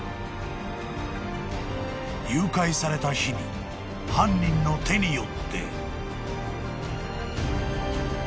［誘拐された日に犯人の手によって］